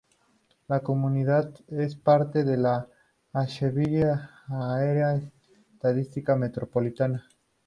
La comunidad es parte de la Asheville Área Estadística Metropolitana.